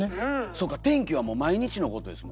そうか天気はもう毎日のことですもんね。